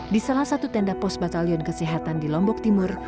di salah satu tenda pos batalion kesehatan di lombok timur